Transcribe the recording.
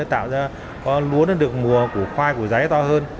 tạo ra lúa được mùa của khoai của giấy to hơn